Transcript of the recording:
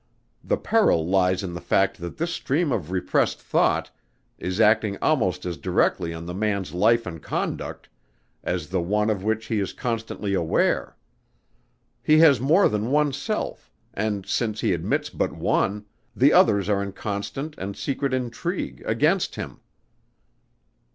The peril lies in the fact that this stream of repressed thought is acting almost as directly on the man's life and conduct, as the one of which he is constantly aware. He has more than one self, and since he admits but one, the others are in constant and secret intrigue, against him."